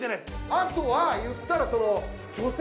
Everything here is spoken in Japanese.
あとは言ったら。